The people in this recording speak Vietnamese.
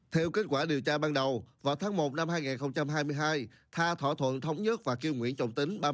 theo kết quả điều tra ban đầu vào tháng một năm hai nghìn hai mươi hai tha thỏa thuận thống nhất và kêu nguyễn trọng tính